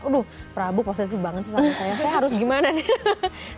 udah prabu prosesif banget sih saat ini saya harus gimana nih